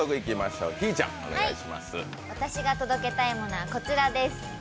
私が届けたい物はこちらです。